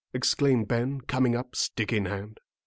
exclaimed Ben, coming up, stick in hand.